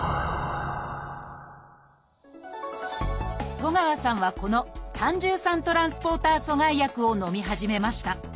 東川さんはこの胆汁酸トランスポーター阻害薬をのみ始めました。